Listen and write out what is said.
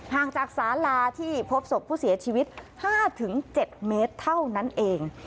ห่างจากสาลาที่พบศพผู้เสียชีวิต๕๗เมตรเท่านั้นเอง